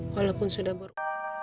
walaupun sudah baru